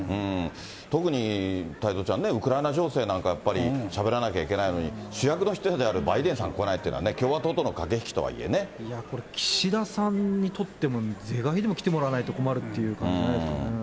特に太蔵ちゃんね、ウクライナ情勢なんかしゃべらなきゃいけないのに、主役の一人であるバイデンさん来ないっていうのはね、岸田さんにとっても、是が非でも来てもらわないと困るっていう感じじゃないですかね。